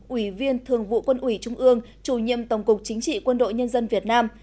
ủy viên thường vụ quân ủy trung ương chủ nhiệm tổng cục chính trị quân đội nhân dân việt nam